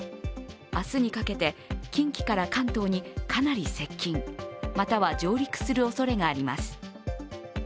明日にかけて近畿から関東にかなり接近、または上陸するおそれがあります。